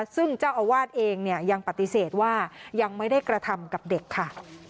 ซึ่งเจ้าอาวาสเองยังปฏิเสธว่ายังไม่ได้กระทำกับเด็กค่ะ